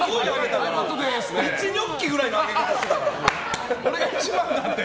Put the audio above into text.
１ニョッキくらいの上げ方してたから。